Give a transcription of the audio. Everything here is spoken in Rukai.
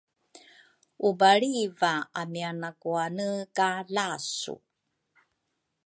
ubalriava amia nakuane ka lasu.